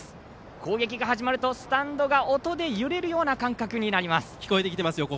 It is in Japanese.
攻撃が始まると、スタンドが音で揺れるような感覚になります。